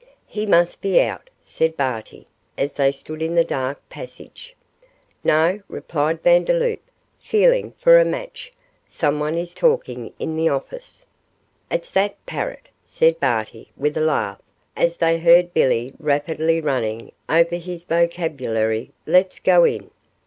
'He must be out,' said Barty, as they stood in the dark passage. 'No,' replied Vandeloup, feeling for a match, 'someone is talking in the office.' 'It's that parrot,' said Barty, with a laugh, as they heard Billy rapidly running over his vocabulary; 'let's go in.